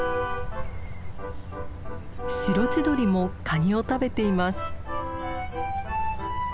シロチドリもカニを食べています。